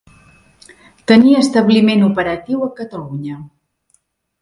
Tenir establiment operatiu a Catalunya.